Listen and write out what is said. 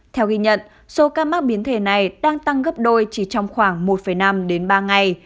theo ghi nhận số ca mắc biến thể này đang tăng gấp đôi chỉ trong khoảng một năm đến ba ngày